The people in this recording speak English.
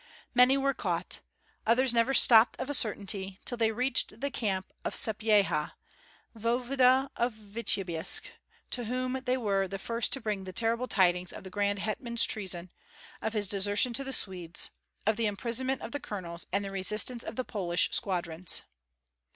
Many were caught; others never stopped of a certainty till they reached the camp of Sapyeha, voevoda of Vityebsk, to whom they were the first to bring the terrible tidings of the grand hetman's treason, of his desertion to the Swedes, of the imprisonment of the colonels and the resistance of the Polish squadrons.